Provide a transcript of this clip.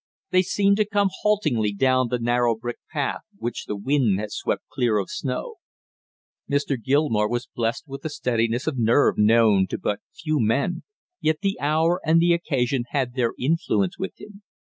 They seemed to come haltingly down the narrow brick path which the wind had swept clear of snow. Mr. Gilmore was blessed with a steadiness of nerve known to but few men, yet the hour and the occasion had their influence with him.